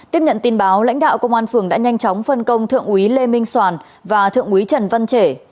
tiếp nhận tin báo lãnh đạo công an phường đã nhanh chóng phân công thượng úy lê minh soàn và thượng úy trần văn trể